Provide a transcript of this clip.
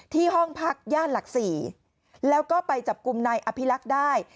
ที่ห้องพักย่านหลักศรีแล้วก็ไปจับกุมในอภิลักษณ์ได้